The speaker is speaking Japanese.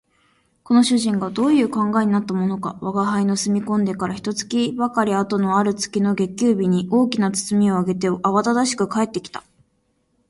この主人がどういう考えになったものか吾輩の住み込んでから一月ばかり後のある月の月給日に、大きな包みを提げてあわただしく帰って来た